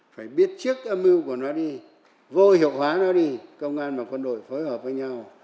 phải biết trước âm mưu của nó đi vô hiệu hóa nó đi công an và quân đội phối hợp với nhau